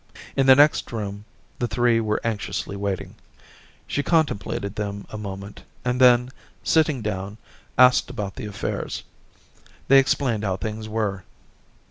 In the next room the three were anxiously waiting. She contemplated them a moment, and then, sitting down, asked about the affairs. They explained how things were.